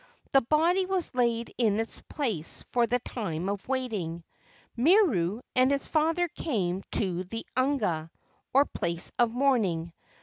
The body was laid in its place for the time of wailing. Miru and his father came to the uhunga, or place of mourning.